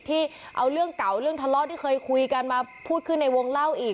ที่เอาเรื่องเก่าเรื่องทะเลาะที่เคยคุยกันมาพูดขึ้นในวงเล่าอีก